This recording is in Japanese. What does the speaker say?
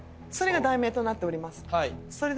それが題名となっております。